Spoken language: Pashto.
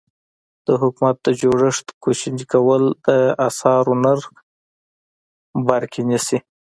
د حکومت د جوړښت کوچني کول د اسعارو نرخ بر کې نیسي.